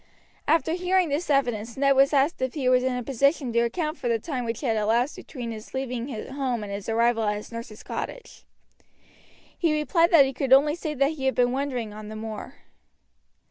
After hearing this evidence Ned was asked if he was in a position to account for the time which had elapsed between his leaving home and his arrival at his nurse's cottage. He replied that he could only say that he had been wandering on the moor.